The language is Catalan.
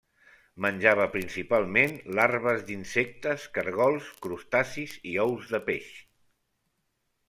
Menjava principalment larves d'insectes, caragols, crustacis i ous de peix.